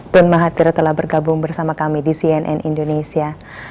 tun mahathir telah bergabung bersama kami di cnn indonesia